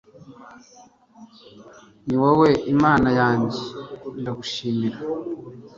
ni wowe imana yanjye, ndagushimira